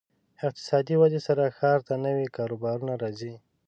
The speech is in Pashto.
اقتصادي ودې سره ښار ته نوي کاروبارونه راځي.